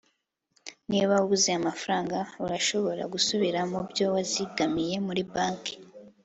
niba ubuze amafaranga, urashobora gusubira mubyo wizigamiye muri banki